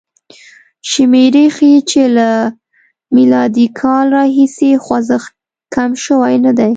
شمېرې ښيي چې له م کال راهیسې خوځښت کم شوی نه دی.